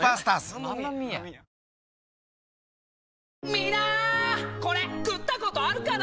みんなこれ食ったことあるかな？